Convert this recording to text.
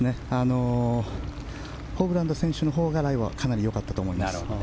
ホブラン選手のほうがライはかなりよかったと思います。